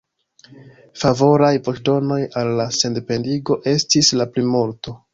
Favoraj voĉdonoj al la sendependigo estis la plimulto.